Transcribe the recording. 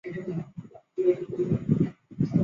明洪武七年称先师庙。